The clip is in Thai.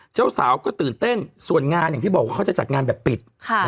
เจ้าสาวก็ตื่นเต้นส่วนงานอย่างที่บอกว่าเขาจะจัดงานแบบปิด